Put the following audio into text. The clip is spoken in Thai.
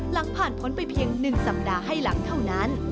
หลังผ่านพ้นไปเพียง๑สัปดาห์ให้หลังเท่านั้น